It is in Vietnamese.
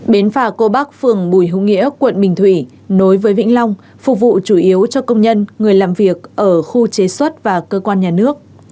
bến phà cô bắc phường bùi hữu nghĩa quận bình thủy nối với vĩnh long phục vụ chủ yếu cho công nhân người làm việc ở khu chế xuất và cơ quan nhà nước